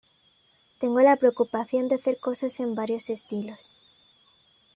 Tengo la preocupación de hacer cosas en varios estilos.